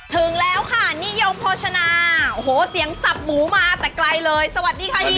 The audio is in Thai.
ถึงแล้วค่ะนิยมโภชนาโอ้โหเสียงสับหมูมาแต่ไกลเลยสวัสดีค่ะเฮี